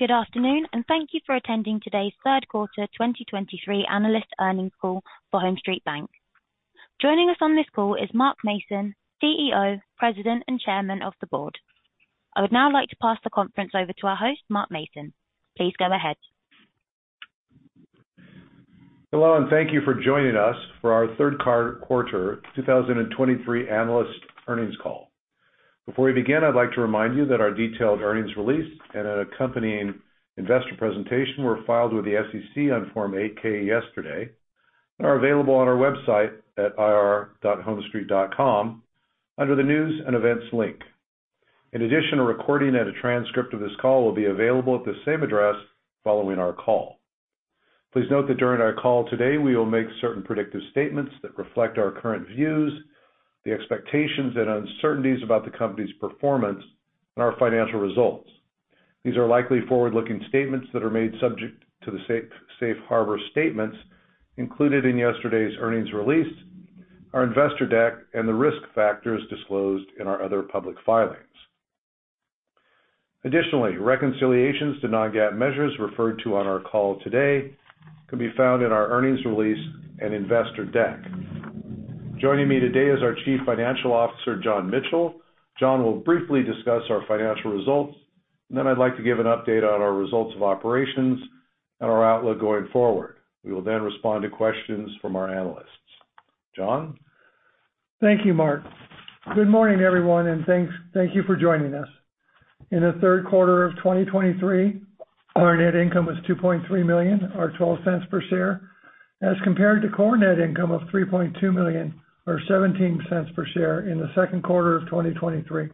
Good afternoon, and thank you for attending today's third quarter 2023 analyst earnings call for HomeStreet Bank. Joining us on this call is Mark Mason, CEO, President, and Chairman of the Board. I would now like to pass the conference over to our host, Mark Mason. Please go ahead. Hello, and thank you for joining us for our third quarter 2023 analyst earnings call. Before we begin, I'd like to remind you that our detailed earnings release and an accompanying investor presentation were filed with the SEC on Form 8-K yesterday and are available on our website at ir.homestreet.com under the News and Events link. In addition, a recording and a transcript of this call will be available at the same address following our call. Please note that during our call today, we will make certain predictive statements that reflect our current views, the expectations and uncertainties about the company's performance and our financial results. These are likely forward-looking statements that are made subject to the safe harbor statements included in yesterday's earnings release, our investor deck, and the risk factors disclosed in our other public filings. Additionally, reconciliations to non-GAAP measures referred to on our call today can be found in our earnings release and investor deck. Joining me today is our Chief Financial Officer, John Michel. John will briefly discuss our financial results, and then I'd like to give an update on our results of operations and our outlook going forward. We will then respond to questions from our analysts. John? Thank you, Mark. Good morning, everyone, and thanks, thank you for joining us. In the third quarter of 2023, our net income was $2.3 million, or $0.12 per share, as compared to core net income of $3.2 million, or $0.17 per share in the second quarter of 2023.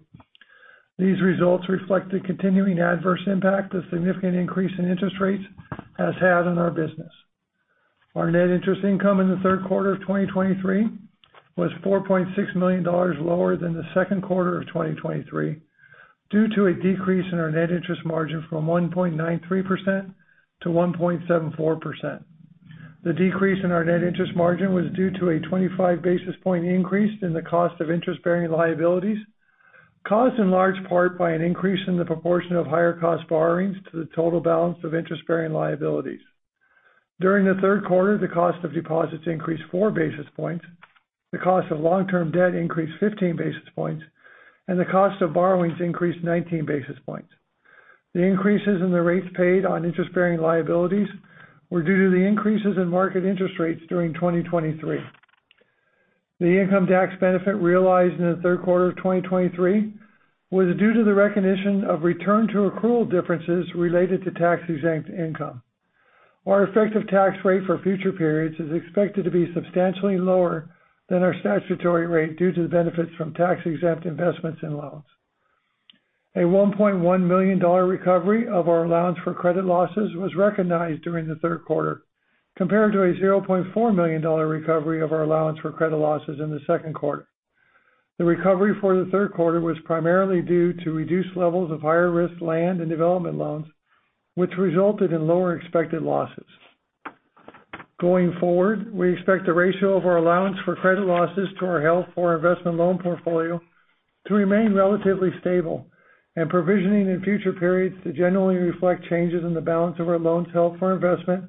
These results reflect the continuing adverse impact the significant increase in interest rates has had on our business. Our net interest income in the third quarter of 2023 was $4.6 million lower than the second quarter of 2023, due to a decrease in our net interest margin from 1.93% to 1.74%. The decrease in our net interest margin was due to a 25 basis point increase in the cost of interest-bearing liabilities, caused in large part by an increase in the proportion of higher cost borrowings to the total balance of interest-bearing liabilities. During the third quarter, the cost of deposits increased 4 basis points, the cost of long-term debt increased 15 basis points, and the cost of borrowings increased 19 basis points. The increases in the rates paid on interest-bearing liabilities were due to the increases in market interest rates during 2023. The income tax benefit realized in the third quarter of 2023 was due to the recognition of return to accrual differences related to tax-exempt income. Our effective tax rate for future periods is expected to be substantially lower than our statutory rate due to the benefits from tax-exempt investments in loans. A $1.1 million recovery of our allowance for credit losses was recognized during the third quarter, compared to a $0.4 million recovery of our allowance for credit losses in the second quarter. The recovery for the third quarter was primarily due to reduced levels of higher-risk land and development loans, which resulted in lower expected losses. Going forward, we expect the ratio of our allowance for credit losses to our held for investment loan portfolio to remain relatively stable and provisioning in future periods to generally reflect changes in the balance of our loans held for investment,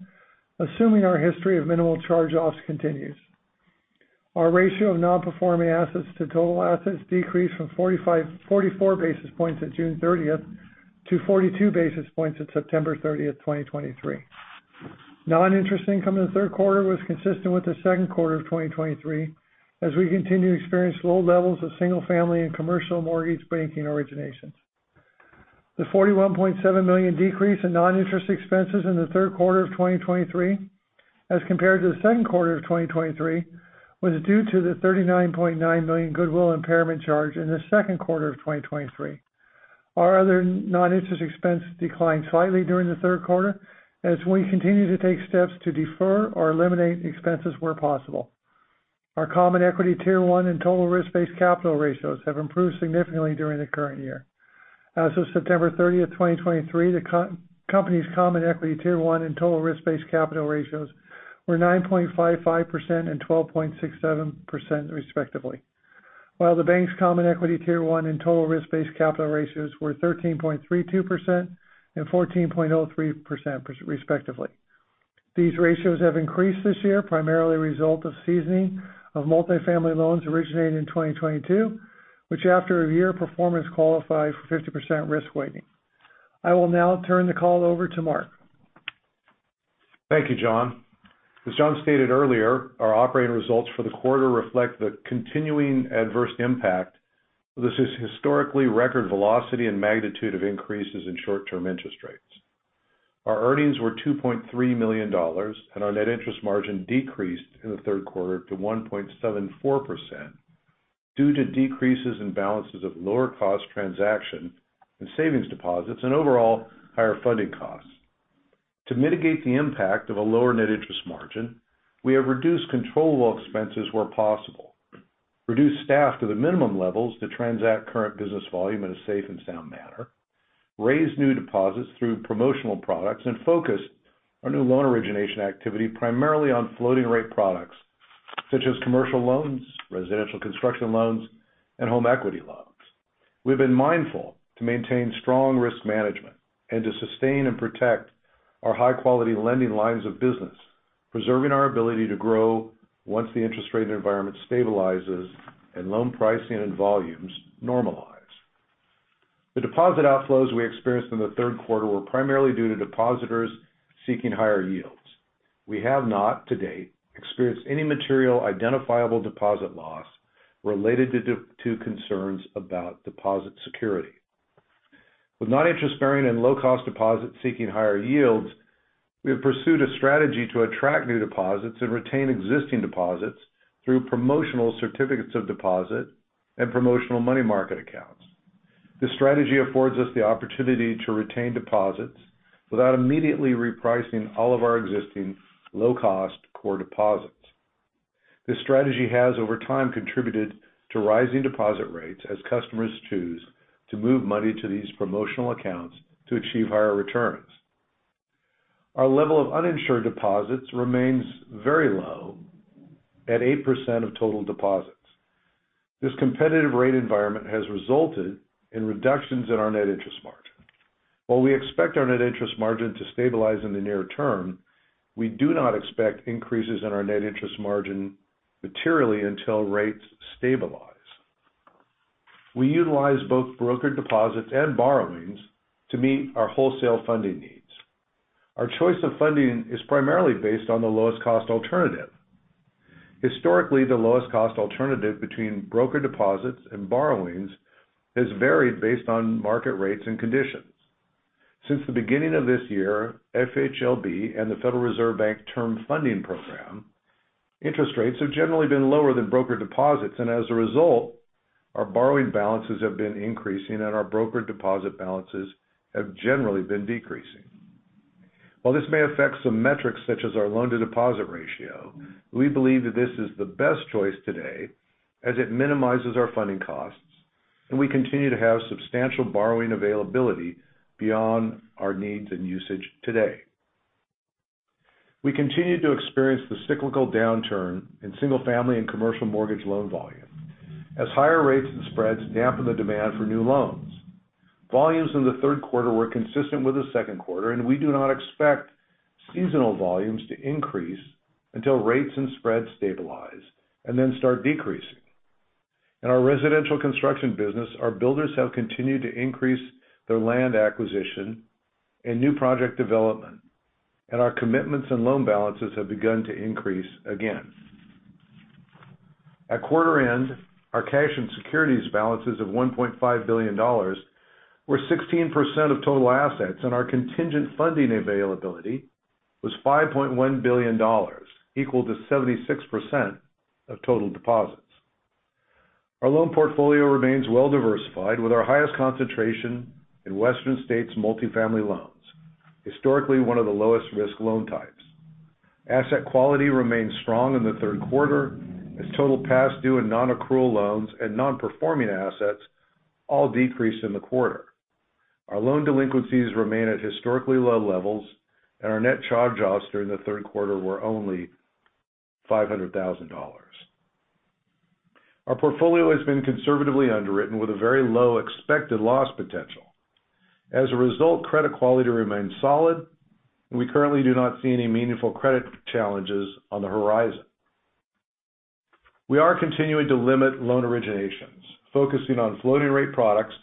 assuming our history of minimal charge-offs continues. Our ratio of non-performing assets to total assets decreased from 44 basis points at June 30th to 42 basis points at September 30th, 2023. Non-interest income in the third quarter was consistent with the second quarter of 2023, as we continue to experience low levels of single-family and commercial mortgage banking originations. The $41.7 million decrease in non-interest expenses in the third quarter of 2023, as compared to the second quarter of 2023, was due to the $39.9 million goodwill impairment charge in the second quarter of 2023. Our other non-interest expense declined slightly during the third quarter as we continue to take steps to defer or eliminate expenses where possible. Our Common Equity Tier 1 and total risk-based capital ratios have improved significantly during the current year. As of September 30th, 2023, the company's Common Equity Tier 1 and total risk-based capital ratios were 9.55% and 12.67%, respectively, while the bank's Common Equity Tier 1 and total risk-based capital ratios were 13.32% and 14.03%, respectively. These ratios have increased this year, primarily a result of seasoning of multifamily loans originated in 2022, which, after a year of performance, qualify for 50% risk weighting. I will now turn the call over to Mark. Thank you, John. As John stated earlier, our operating results for the quarter reflect the continuing adverse impact of this historically record velocity and magnitude of increases in short-term interest rates. Our earnings were $2.3 million, and our net interest margin decreased in the third quarter to 1.74% due to decreases in balances of lower cost transactions and savings deposits and overall higher funding costs. To mitigate the impact of a lower net interest margin, we have reduced controllable expenses where possible. Reduced staff to the minimum levels to transact current business volume in a safe and sound manner. Raised new deposits through promotional products. And focused our new loan origination activity primarily on floating-rate products.... such as commercial loans, residential construction loans, and home equity loans. We've been mindful to maintain strong risk management and to sustain and protect our high-quality lending lines of business, preserving our ability to grow once the interest rate environment stabilizes and loan pricing and volumes normalize. The deposit outflows we experienced in the third quarter were primarily due to depositors seeking higher yields. We have not, to date, experienced any material identifiable deposit loss related to concerns about deposit security. With non-interest-bearing and low-cost deposits seeking higher yields, we have pursued a strategy to attract new deposits and retain existing deposits through promotional certificates of deposit and promotional money market accounts. This strategy affords us the opportunity to retain deposits without immediately repricing all of our existing low-cost core deposits. This strategy has, over time, contributed to rising deposit rates as customers choose to move money to these promotional accounts to achieve higher returns. Our level of uninsured deposits remains very low at 8% of total deposits. This competitive rate environment has resulted in reductions in our net interest margin. While we expect our net interest margin to stabilize in the near term, we do not expect increases in our net interest margin materially until rates stabilize. We utilize both brokered deposits and borrowings to meet our wholesale funding needs. Our choice of funding is primarily based on the lowest cost alternative. Historically, the lowest cost alternative between brokered deposits and borrowings has varied based on market rates and conditions. Since the beginning of this year, FHLB and the Federal Reserve Bank Term Funding Program interest rates have generally been lower than brokered deposits. As a result, our borrowing balances have been increasing, and our brokered deposit balances have generally been decreasing. While this may affect some metrics, such as our loan-to-deposit ratio, we believe that this is the best choice today as it minimizes our funding costs, and we continue to have substantial borrowing availability beyond our needs and usage today. We continue to experience the cyclical downturn in single-family and commercial mortgage loan volume as higher rates and spreads dampen the demand for new loans. Volumes in the third quarter were consistent with the second quarter, and we do not expect seasonal volumes to increase until rates and spreads stabilize and then start decreasing. In our residential construction business, our builders have continued to increase their land acquisition and new project development, and our commitments and loan balances have begun to increase again. At quarter end, our cash and securities balances of $1.5 billion were 16% of total assets, and our contingent funding availability was $5.1 billion, equal to 76% of total deposits. Our loan portfolio remains well-diversified, with our highest concentration in western states multifamily loans, historically one of the lowest risk loan types. Asset quality remained strong in the third quarter as total past due and non-accrual loans and non-performing assets all decreased in the quarter. Our loan delinquencies remain at historically low levels, and our net charge-offs during the third quarter were only $500,000. Our portfolio has been conservatively underwritten with a very low expected loss potential. As a result, credit quality remains solid, and we currently do not see any meaningful credit challenges on the horizon. We are continuing to limit loan originations, focusing on floating rate products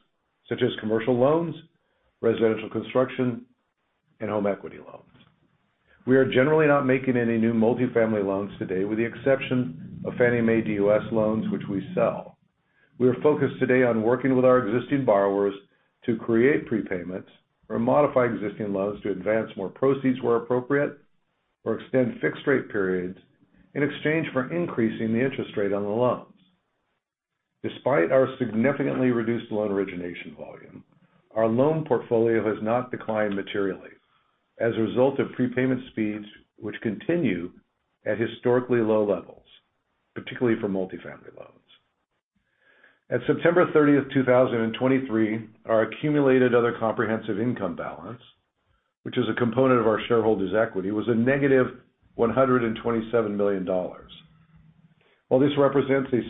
such as commercial loans, residential construction, and home equity loans. We are generally not making any new multifamily loans today, with the exception of Fannie Mae DUS loans, which we sell. We are focused today on working with our existing borrowers to create prepayments or modify existing loans to advance more proceeds where appropriate, or extend fixed-rate periods in exchange for increasing the interest rate on the loans. Despite our significantly reduced loan origination volume, our loan portfolio has not declined materially as a result of prepayment speeds, which continue at historically low levels, particularly for multifamily loans. At September 30th, 2023, our Accumulated Other Comprehensive Income balance, which is a component of our shareholders' equity, was a -$127 million. While this represents a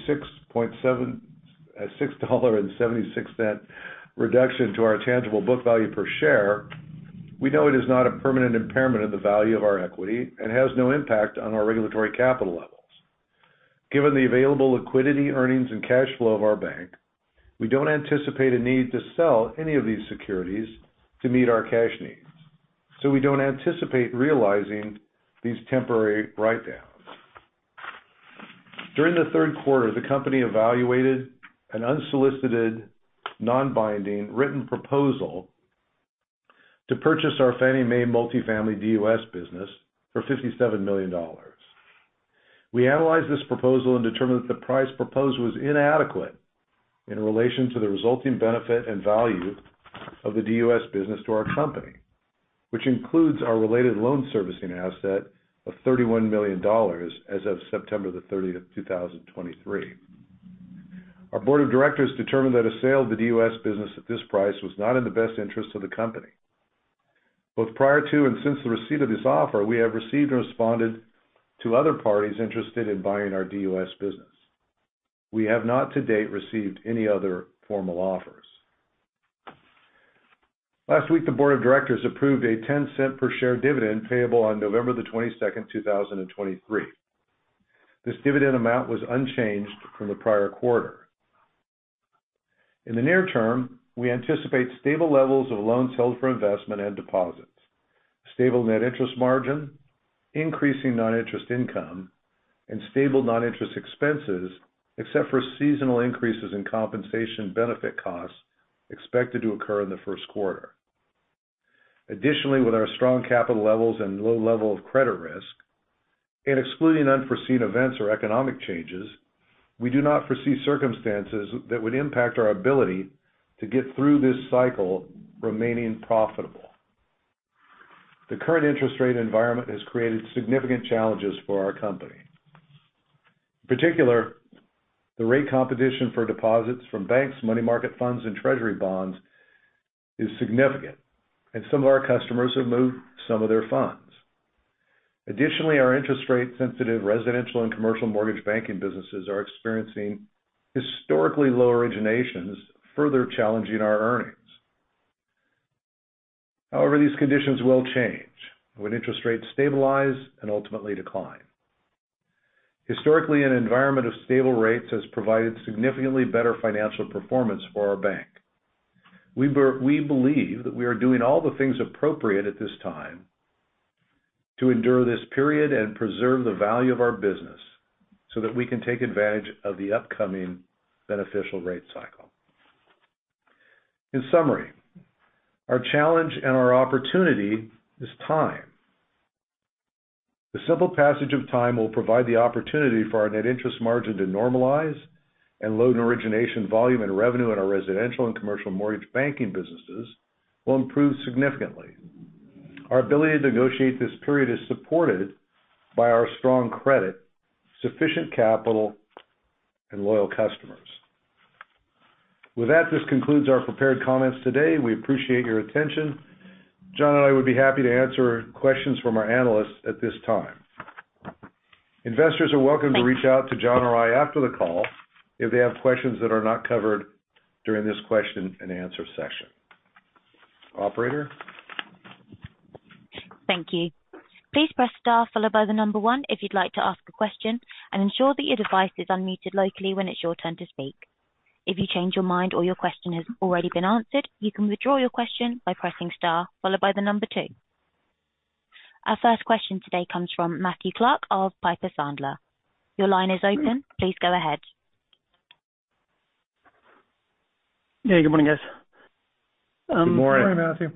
$6.76 reduction to our tangible book value per share, we know it is not a permanent impairment of the value of our equity and has no impact on our regulatory capital levels. Given the available liquidity, earnings, and cash flow of our bank, we don't anticipate a need to sell any of these securities to meet our cash needs, so we don't anticipate realizing these temporary write-downs. During the third quarter, the company evaluated an unsolicited, non-binding, written proposal to purchase our Fannie Mae multifamily DUS business for $57 million. We analyzed this proposal and determined that the price proposed was inadequate in relation to the resulting benefit and value of the DUS business to our company, which includes our related loan servicing asset of $31 million as of September 30th, 2023. Our board of directors determined that a sale of the DUS business at this price was not in the best interest of the company. Both prior to and since the receipt of this offer, we have received and responded to other parties interested in buying our DUS business. We have not, to date, received any other formal offers. Last week, the board of directors approved a $0.10 per share dividend payable on November 22nd, 2023. This dividend amount was unchanged from the prior quarter. In the near term, we anticipate stable levels of loans held for investment and deposits, stable net interest margin, increasing non-interest income, and stable non-interest expenses, except for seasonal increases in compensation benefit costs expected to occur in the first quarter. Additionally, with our strong capital levels and low level of credit risk, and excluding unforeseen events or economic changes, we do not foresee circumstances that would impact our ability to get through this cycle remaining profitable. The current interest rate environment has created significant challenges for our company. In particular, the rate competition for deposits from banks, money market funds, and Treasury bonds is significant, and some of our customers have moved some of their funds. Additionally, our interest rate-sensitive residential and commercial mortgage banking businesses are experiencing historically low originations, further challenging our earnings. However, these conditions will change when interest rates stabilize and ultimately decline. Historically, an environment of stable rates has provided significantly better financial performance for our bank. We believe that we are doing all the things appropriate at this time to endure this period and preserve the value of our business, so that we can take advantage of the upcoming beneficial rate cycle. In summary, our challenge and our opportunity is time. The simple passage of time will provide the opportunity for our net interest margin to normalize and loan origination volume and revenue in our residential and commercial mortgage banking businesses will improve significantly. Our ability to negotiate this period is supported by our strong credit, sufficient capital, and loyal customers. With that, this concludes our prepared comments today. We appreciate your attention. John and I would be happy to answer questions from our analysts at this time. Investors are welcome to reach out to John or I after the call if they have questions that are not covered during this question and answer session. Operator? Thank you. Please press star followed by number one if you'd like to ask a question, and ensure that your device is unmuted locally when it's your turn to speak. If you change your mind or your question has already been answered, you can withdraw your question by pressing star followed by number two. Our first question today comes from Matthew Clark of Piper Sandler. Your line is open. Please go ahead. Hey, good morning, guys. Good morning. Good morning, Matthew.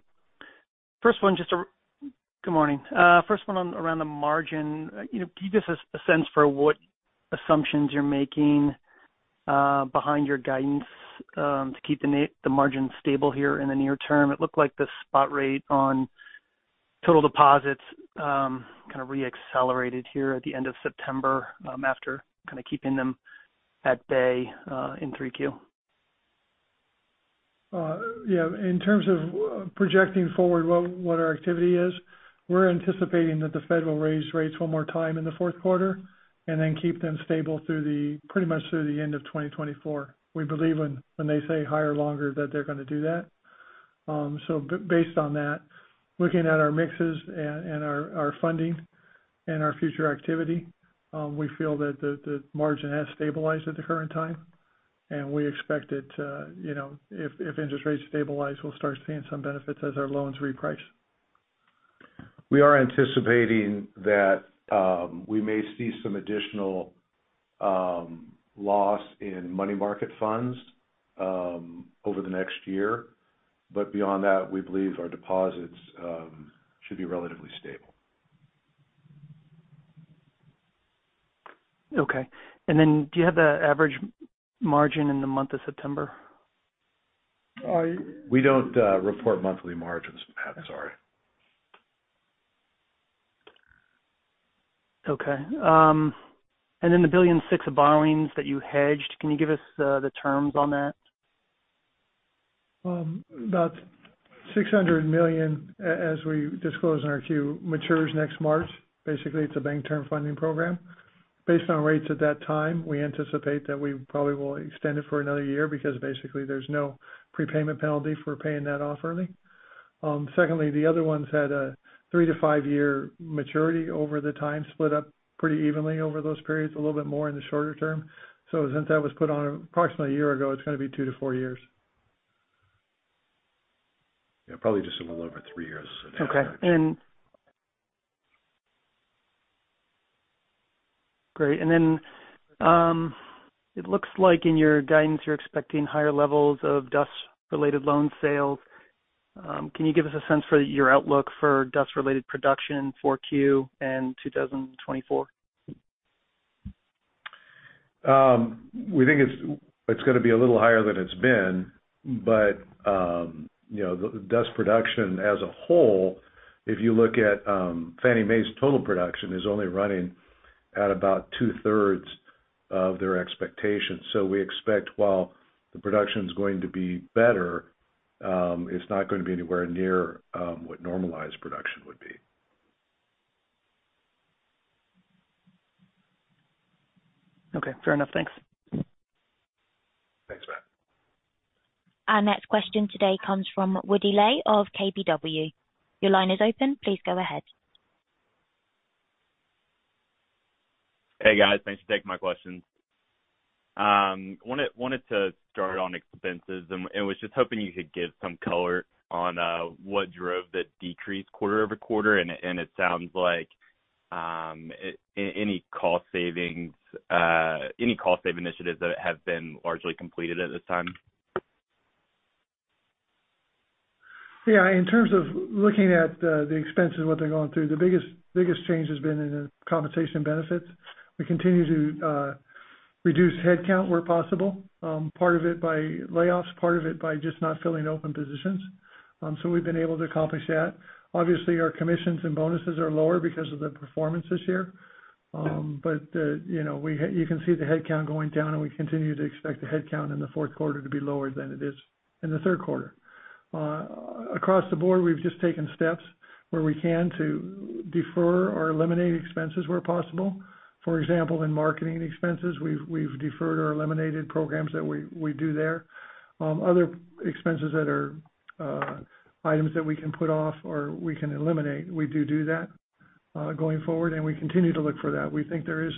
Good morning. First one on around the margin. You know, give us a sense for what assumptions you're making behind your guidance to keep the margin stable here in the near term. It looked like the spot rate on total deposits kind of re-accelerated here at the end of September after kind of keeping them at bay in Q3. Yeah, in terms of projecting forward what, what our activity is, we're anticipating that the Fed will raise rates one more time in the fourth quarter and then keep them stable through the, pretty much through the end of 2024. We believe when, when they say higher, longer, that they're gonna do that. So based on that, looking at our mixes and, and our, our funding and our future activity, we feel that the, the margin has stabilized at the current time, and we expect it to, you know, if, if interest rates stabilize, we'll start seeing some benefits as our loans reprice. We are anticipating that, we may see some additional, loss in money market funds, over the next year. But beyond that, we believe our deposits, should be relatively stable. Okay. And then do you have the average margin in the month of September? We don't report monthly margins, Matt. Sorry. Okay. And then the $1.6 billion of borrowings that you hedged, can you give us the terms on that? About $600 million, as we disclosed in our Q, matures next March. Basically, it's a Bank Term Funding Program. Based on rates at that time, we anticipate that we probably will extend it for another year because basically, there's no prepayment penalty for paying that off early. Secondly, the other ones had a three years -five years maturity over the time, split up pretty evenly over those periods, a little bit more in the shorter term. So since that was put on approximately a year ago, it's gonna be two years-four years. Yeah, probably just a little over three years. Okay. Great, and then, it looks like in your guidance, you're expecting higher levels of DUS-related loan sales. Can you give us a sense for your outlook for DUS-related production in Q4 and 2024? We think it's, it's gonna be a little higher than it's been, but, you know, the DUS production as a whole, if you look at, Fannie Mae's total production is only running at about two-thirds of their expectations. So we expect while the production is going to be better, it's not going to be anywhere near what normalized production would be. Okay, fair enough. Thanks. Thanks, Matt. Our next question today comes from Woody Lay of KBW. Your line is open. Please go ahead. Hey, guys. Thanks for taking my questions. Wanted to start on expenses and was just hoping you could give some color on what drove that decrease quarter-over-quarter, and it sounds like any cost savings, any cost save initiatives that have been largely completed at this time? Yeah, in terms of looking at the expenses, what they're going through, the biggest change has been in the compensation benefits. We continue to reduce headcount where possible, part of it by layoffs, part of it by just not filling open positions. So we've been able to accomplish that. Obviously, our commissions and bonuses are lower because of the performance this year. Yeah. But, you know, we—you can see the headcount going down, and we continue to expect the headcount in the fourth quarter to be lower than it is in the third quarter. Across the board, we've just taken steps where we can to defer or eliminate expenses where possible. For example, in marketing expenses, we've, we've deferred or eliminated programs that we, we do there. Other expenses that are items that we can put off or we can eliminate, we do that going forward, and we continue to look for that. We think there is...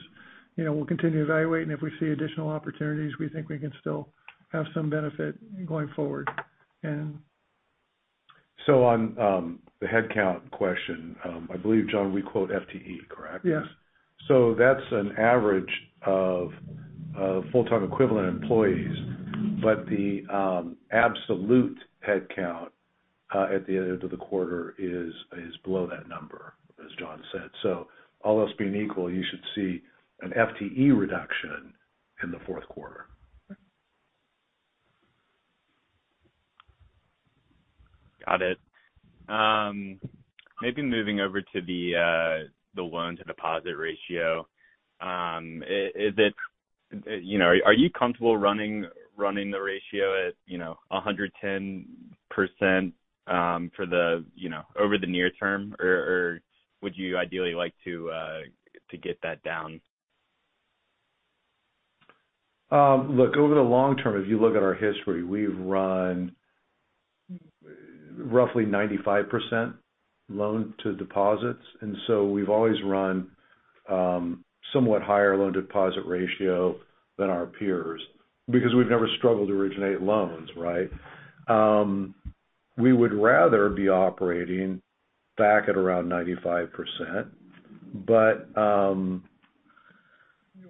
You know, we'll continue to evaluate, and if we see additional opportunities, we think we can still have some benefit going forward. And- So, on the headcount question, I believe, John, we quote FTE, correct? Yes. So that's an average of full-time equivalent employees, but the absolute headcount at the end of the quarter is below that number, as John said. So all else being equal, you should see an FTE reduction in the fourth quarter. Got it. Maybe moving over to the loan-to-deposit ratio. Is it, you know, are you comfortable running the ratio at, you know, 110%, for the, you know, over the near term, or would you ideally like to get that down? Look, over the long term, if you look at our history, we've run roughly 95% loan to deposits, and so we've always run somewhat higher loan-to-deposit ratio than our peers because we've never struggled to originate loans, right? We would rather be operating back at around 95%, but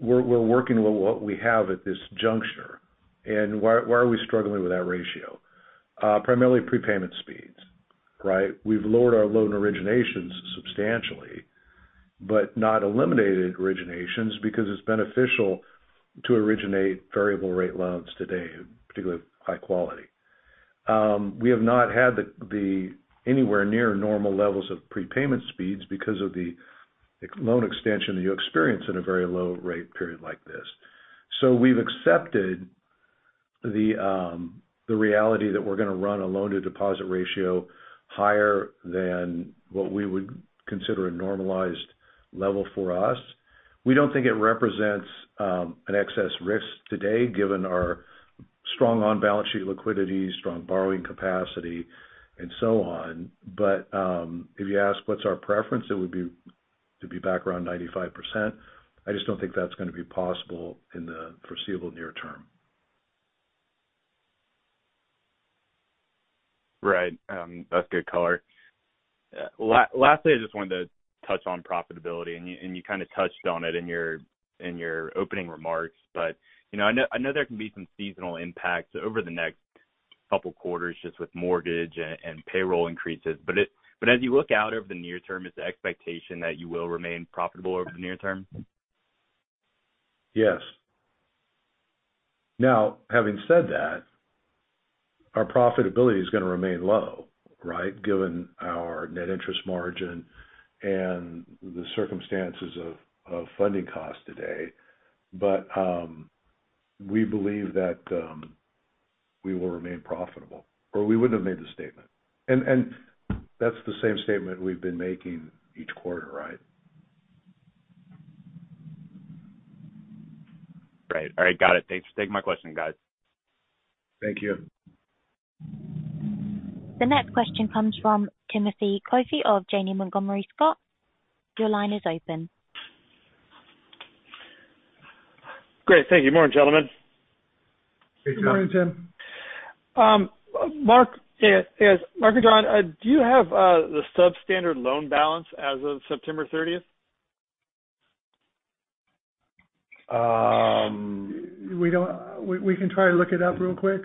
we're working with what we have at this juncture. Why are we struggling with that ratio? Primarily prepayment speeds, right? We've lowered our loan originations substantially, but not eliminated originations because it's beneficial to originate variable rate loans today, particularly high-quality. We have not had the anywhere near normal levels of prepayment speeds because of the loan extension that you experience in a very low rate period like this. So we've accepted the reality that we're going to run a loan-to-deposit ratio higher than what we would consider a normalized level for us. We don't think it represents an excess risk today, given our strong on-balance sheet liquidity, strong borrowing capacity, and so on. But if you ask what's our preference, it would be to be back around 95%. I just don't think that's going to be possible in the foreseeable near term. Right. That's good color. Lastly, I just wanted to touch on profitability, and you and you kind of touched on it in your opening remarks, but you know, I know, I know there can be some seasonal impacts over the next couple quarters, just with mortgage and payroll increases. But as you look out over the near term, is the expectation that you will remain profitable over the near term? Yes. Now, having said that, our profitability is going to remain low, right? Given our net interest margin and the circumstances of funding costs today. But, we believe that, we will remain profitable, or we wouldn't have made the statement. And that's the same statement we've been making each quarter, right? Right. All right. Got it. Thanks for taking my question, guys. Thank you. The next question comes from Timothy Coffey of Janney Montgomery Scott. Your line is open. Great. Thank you. Morning, gentlemen. Good morning, Tim. Mark, yeah, yes, Mark and John, do you have the substandard loan balance as of September 30th? Um- We don't, we can try to look it up real quick,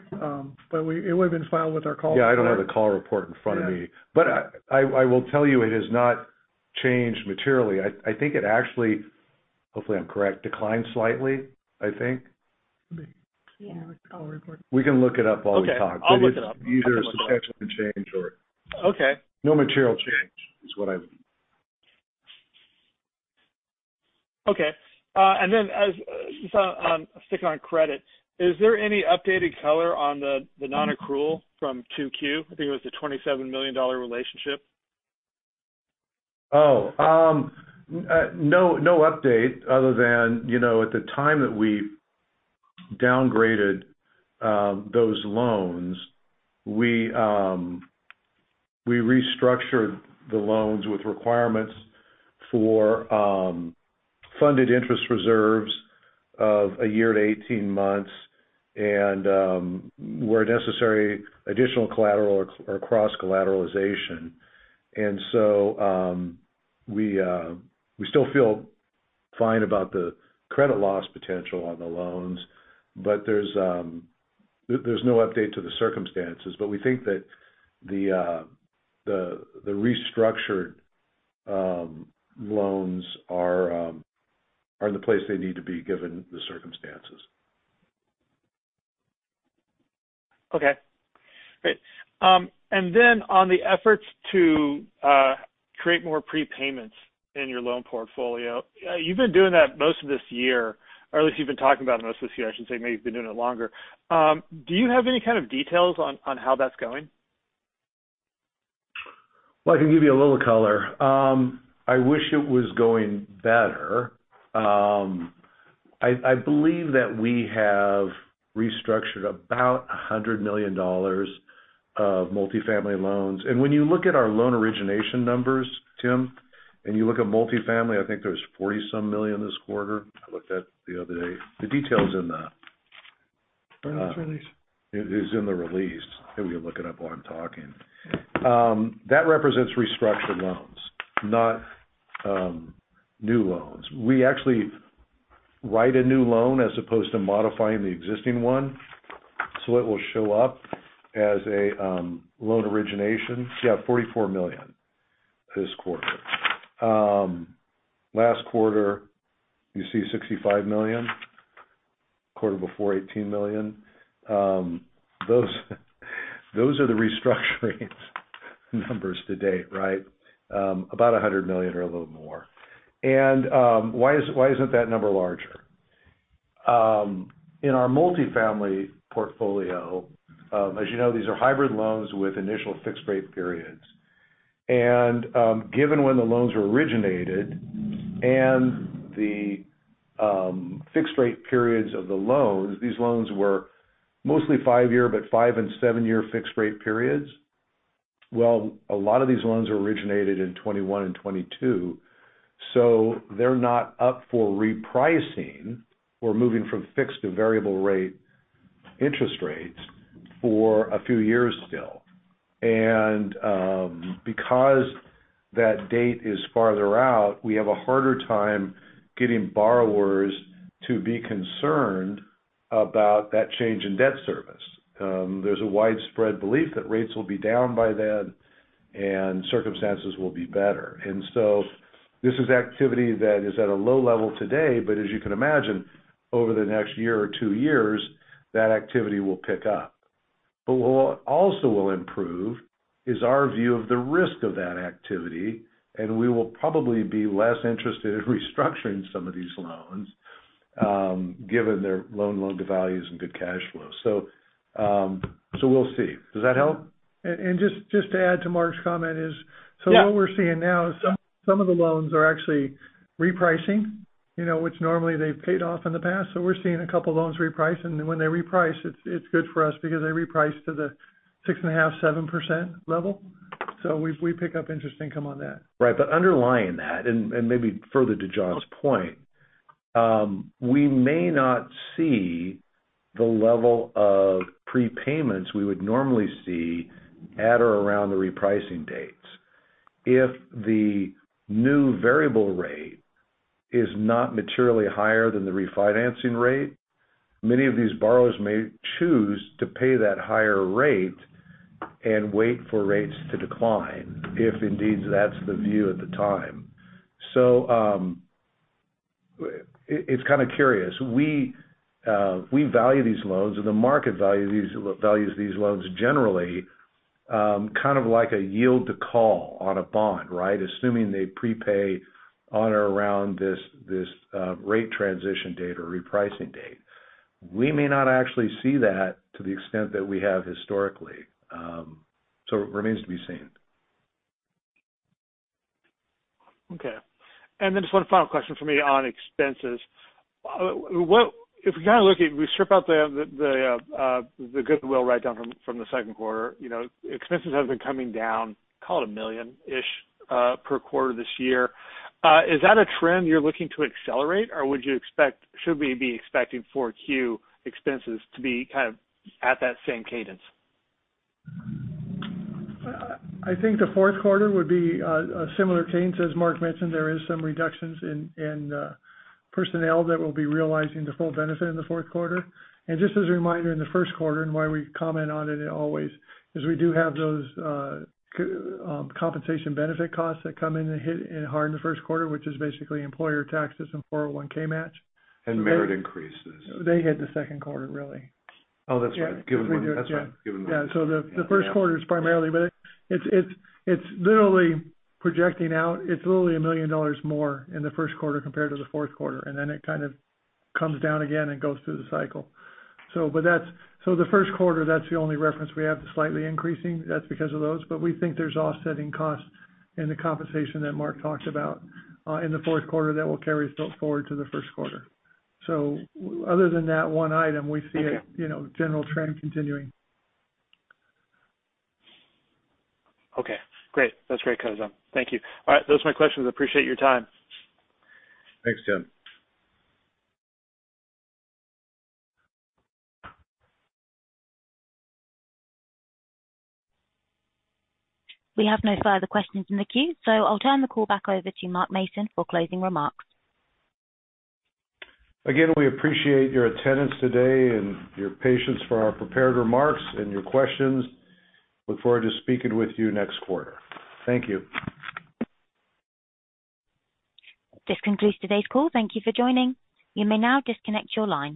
but we—it would have been filed with our call- Yeah, I don't have the call report in front of me. Yeah. But I will tell you, it has not changed materially. I think it actually, hopefully I'm correct, declined slightly, I think. Yeah, I'll report. We can look it up while we talk. Okay, I'll look it up. Either a substantial change or- Okay. No material change is what I'm-... Okay. And then, sticking on credit, is there any updated color on the non-accrual from Q2? I think it was a $27 million relationship. No, no update other than, you know, at the time that we downgraded those loans, we restructured the loans with requirements for funded interest reserves of a year to 18 months and, where necessary, additional collateral or cross-collateralization. And so, we still feel fine about the credit loss potential on the loans, but there's no update to the circumstances. But we think that the restructured loans are in the place they need to be, given the circumstances. Okay. Great. And then on the efforts to create more prepayments in your loan portfolio, you've been doing that most of this year, or at least you've been talking about it most of this year, I should say. Maybe you've been doing it longer. Do you have any kind of details on how that's going? Well, I can give you a little color. I wish it was going better. I believe that we have restructured about $100 million of multifamily loans. And when you look at our loan origination numbers, Tim, and you look at multifamily, I think there's 40-some million this quarter. I looked at the other day. The details in the- Earnings release. It is in the release, and you're looking it up while I'm talking. That represents restructured loans, not new loans. We actually write a new loan as opposed to modifying the existing one, so it will show up as a loan origination. Yeah, $44 million this quarter. Last quarter, you see $65 million. Quarter before, $18 million. Those are the restructuring numbers to date, right? About $100 million or a little more. And why isn't that number larger? In our multifamily portfolio, as you know, these are hybrid loans with initial fixed-rate periods. And given when the loans were originated and the fixed-rate periods of the loans, these loans were mostly five-year, but five- and seven-year fixed-rate periods. Well, a lot of these loans were originated in 2021 and 2022, so they're not up for repricing or moving from fixed to variable rate interest rates for a few years still. And because that date is farther out, we have a harder time getting borrowers to be concerned about that change in debt service. There's a widespread belief that rates will be down by then and circumstances will be better. And so this is activity that is at a low level today, but as you can imagine, over the next year or two years, that activity will pick up. But what also will improve is our view of the risk of that activity, and we will probably be less interested in restructuring some of these loans, given their loan-to-values and good cash flow. So, we'll see. Does that help? And just to add to Mark's comment is- Yeah. So what we're seeing now is some of the loans are actually repricing, you know, which normally they've paid off in the past. So we're seeing a couple loans reprice, and when they reprice, it's good for us because they reprice to the 6.5%-7% level. So we pick up interest income on that. Right. But underlying that, and maybe further to John's point, we may not see the level of prepayments we would normally see at or around the repricing dates. If the new variable rate is not materially higher than the refinancing rate, many of these borrowers may choose to pay that higher rate and wait for rates to decline, if indeed that's the view at the time. So, it's kind of curious. We value these loans, and the market values these loans generally, kind of like a yield to call on a bond, right? Assuming they prepay on or around this rate transition date or repricing date. We may not actually see that to the extent that we have historically. So it remains to be seen. Okay. And then just one final question for me on expenses. What-- If we kind of look at... we strip out the goodwill write-down from the second quarter, you know, expenses have been coming down, call it $1 million-ish per quarter this year. Is that a trend you're looking to accelerate, or would you expect-- should we be expecting Q4 expenses to be kind of at that same cadence? I think the fourth quarter would be a similar change. As Mark mentioned, there is some reductions in personnel that will be realizing the full benefit in the fourth quarter. And just as a reminder, in the first quarter and why we comment on it always, is we do have those compensation benefit costs that come in and hit in hard in the first quarter, which is basically employer taxes and 401K match. Merit increases. They hit the second quarter, really. Oh, that's right. Yeah. Given one. That's right. Given one. Yeah, so the first quarter is primarily, but it's literally projecting out. It's literally $1 million more in the first quarter compared to the fourth quarter, and then it kind of comes down again and goes through the cycle. So but that's. So the first quarter, that's the only reference we have to slightly increasing. That's because of those. But we think there's offsetting costs in the compensation that Mark talked about in the fourth quarter that will carry us forward to the first quarter. So other than that one item, we see it- Okay. You know, general trend continuing. Okay, great. That's great, guys. Thank you. All right, those are my questions. I appreciate your time. Thanks, Tim. We have no further questions in the queue, so I'll turn the call back over to Mark Mason for closing remarks. Again, we appreciate your attendance today and your patience for our prepared remarks and your questions. Look forward to speaking with you next quarter. Thank you. This concludes today's call. Thank you for joining. You may now disconnect your line.